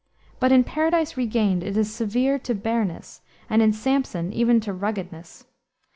But in Paradise Regained it is severe to bareness, and in Samson, even to ruggedness.